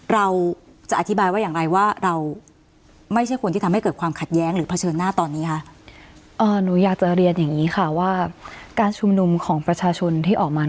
เราจะอธิบายว่าอย่างไรว่าเราไม่ใช่คนที่ทำให้เกิดความขัดแย้งหรือเผชิญหน้าตอนนี้ค่ะ